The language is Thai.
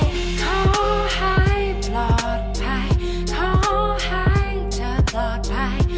ขอให้ปลอดภัยขอให้เธอปลอดภัย